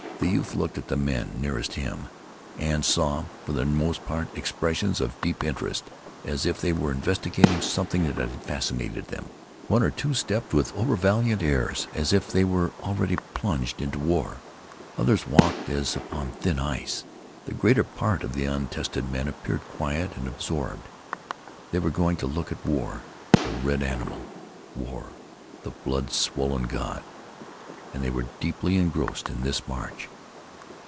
The youth looked at the men nearest him, and saw, for the most part, expressions of deep interest, as if they were investigating something that had fascinated them. One or two stepped with overvaliant airs as if they were already plunged into war. Others walked as upon thin ice. The greater part of the untested men appeared quiet and absorbed. They were going to look at war, the red animal war, the blood swollen god. And they were deeply engrossed in this march.